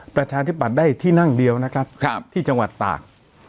ประชาธิบัตย์ได้ที่นั่งเดียวนะครับที่จังหวัดตาก